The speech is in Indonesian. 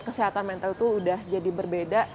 kesehatan mental itu udah jadi berbeda